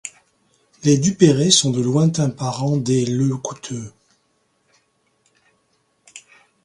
Les Duperré sont de lointains parents des Le Couteulx.